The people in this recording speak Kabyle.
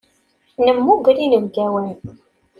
Nemmuger inebgawen.